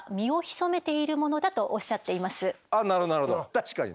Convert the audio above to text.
確かにね。